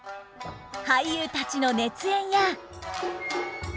俳優たちの熱演や。